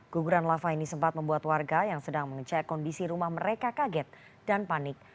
guguran lava ini sempat membuat warga yang sedang mengecek kondisi rumah mereka kaget dan panik